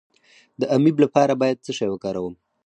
د امیب لپاره باید څه شی وکاروم؟